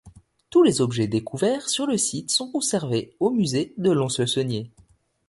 Tous les objets découverts sur le site sont conservés au Musée de Lons-le-Saunier.